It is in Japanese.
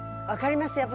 分かります。